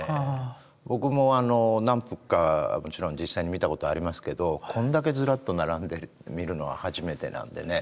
僕も何幅かもちろん実際に見たことはありますけどこんだけずらっと並んで見るのは初めてなんでね。